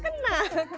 aduh udah kenal